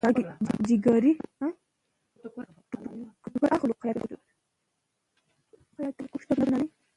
علم انسان ته د ژوند سمه لاره ښیي.